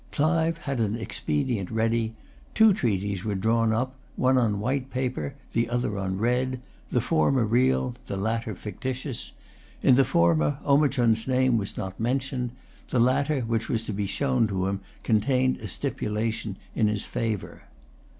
Clive had an expedient ready. Two treaties were drawn up, one on white paper, the other on red, the former real, the latter fictitious. In the former Omichund's name was not mentioned; the latter, which was to be shown to him, contained a stipulation in his favour.